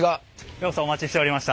ようこそお待ちしておりました。